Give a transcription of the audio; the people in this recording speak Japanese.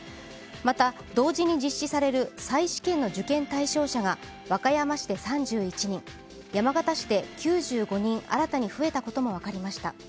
また、同時に実施される再試験の受験対象者が和歌山市で３１人、山形市で９５人新たに増えたことも分かりました。